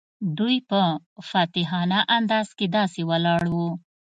دوی په فاتحانه انداز کې داسې ولاړ وو.